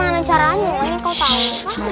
gimana caranya mungkin kau tahu